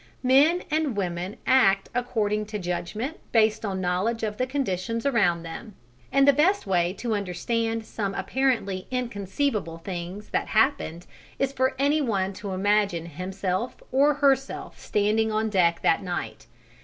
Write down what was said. Men and women act according to judgment based on knowledge of the conditions around them, and the best way to understand some apparently inconceivable things that happened is for any one to imagine himself or herself standing on deck that night.